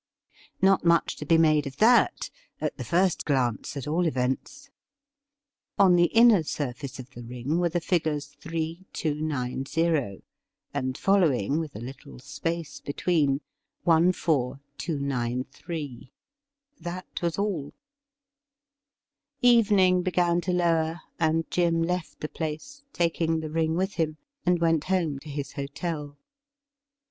Not much to be made of that — at the first glance, at all events. On the inner surface of the ring were the figures 3,290, and following, with a little space between, 14,293. That was all. Evening began to lower, and Jim left the place, taking the ring with him, and went home to his hotel.